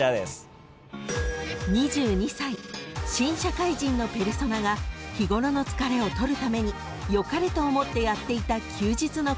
［２２歳新社会人のペルソナが日ごろの疲れを取るために良かれと思ってやっていた休日の行動］